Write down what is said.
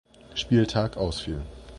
Spieltag ausfiel.